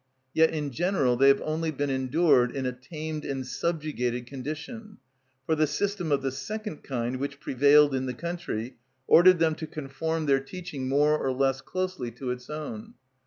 Yet in general they have only been endured in a tamed and subjugated condition, for the system of the second kind which prevailed in the country ordered them to conform their teaching more or less closely to its own.